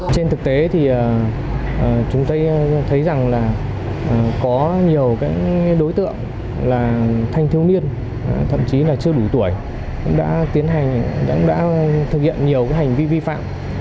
trên thực tế thì chúng tôi thấy rằng là có nhiều đối tượng là thanh thiếu niên thậm chí là chưa đủ tuổi đã thực hiện nhiều hành vi vi phạm